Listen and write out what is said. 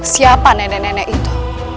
siapa nenek nenek itu